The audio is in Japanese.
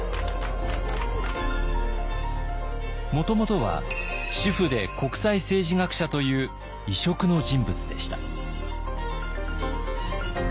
もともとは主婦で国際政治学者という異色の人物でした。